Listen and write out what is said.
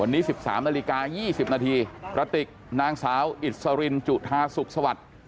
วันนี้๑๓นาฬิกา๒๐นาทีกระติกนางสาวอิสรินจุธาสุขสวัสดิ์